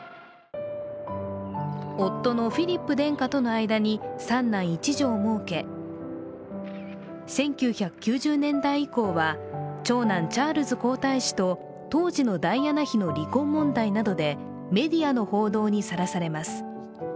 夫のフィリップ殿下との間に３男１女をもうけ１９９０年代以降は長男チャールズ皇太子と当時のダイアナ妃の離婚問題などでメディアの報道にさらされます。